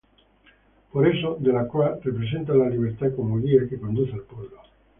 Por eso Delacroix representa a la Libertad como guía que conduce al pueblo.